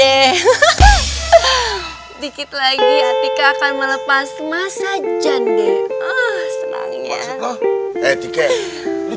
adik lagi ate akan melepas masa janggeng ah senangnya